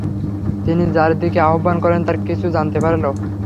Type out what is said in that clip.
তিনি যার দিকে আহবান করেন তার কিছু জানতে পারল।